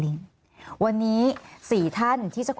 มีความรู้สึกว่าเสียใจ